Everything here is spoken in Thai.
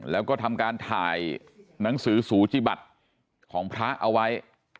แล้วก็ทำการถ่ายหนังสือสูจิบัติของพระเอาไว้